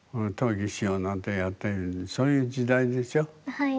はい。